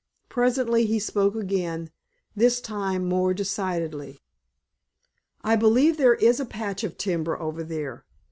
Presently he spoke again, this time more decidedly. "I believe there is a patch of timber over there.